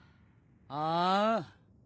ああ？